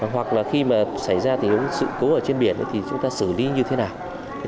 hoặc là khi mà xảy ra sự cố trên biển thì chúng ta xử lý như thế nào